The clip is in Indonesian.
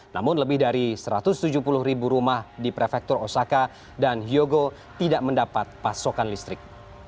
namun lebih dari satu ratus tujuh puluh ribu rumah di prefektur osaka dan hyogo tidak mendapat pasokan listrik